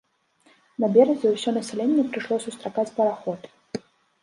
На беразе ўсё насяленне прыйшло сустракаць параход.